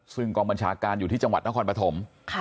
ซึ่งกองบัญชาการอยู่ที่จังหวัดนครปฐม